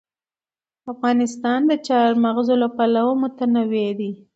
افغانستان د چار مغز له پلوه متنوع دی.